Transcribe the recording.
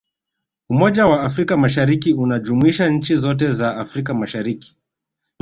umoja wa afrika mashariki unajumuisha nchi zote za afrika mashariki